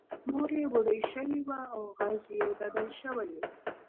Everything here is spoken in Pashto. مور یې بوډۍ شوې وه او غږ یې بدل شوی و